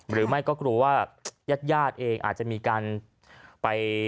หรือไม่ก็กลัวว่ายาดเองอาจจะมีการไป